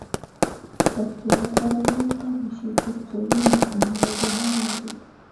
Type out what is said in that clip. پښتو لپاره باید کار وشی ترڅو یو مکمله ژبه ولرو